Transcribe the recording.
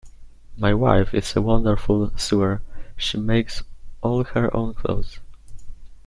My wife is a wonderful sewer: she makes all her own clothes.